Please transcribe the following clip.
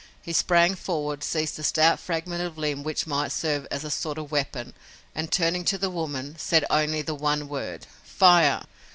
He sprang forward, seized a stout fragment of limb which might serve as a sort of weapon, and, turning to the woman, said only the one word "fire."